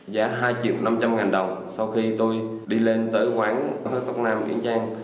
giá hai triệu năm trăm linh ngàn đồng sau khi tôi đi lên tới quán hết tóc nam nguyễn trang